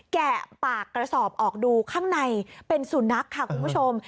แกะปากกระสอบออกดูข้างในเป็นสุนัขค่ะคุณผู้ชม